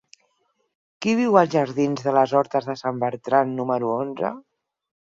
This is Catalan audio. Qui viu als jardins de les Hortes de Sant Bertran número onze?